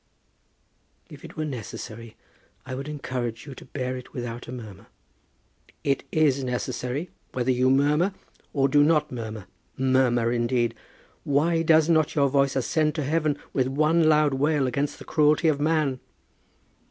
"If it were necessary, I would encourage you to bear it without a murmur." "It is necessary, whether you murmur, or do not murmur. Murmur, indeed! Why does not your voice ascend to heaven with one loud wail against the cruelty of man?"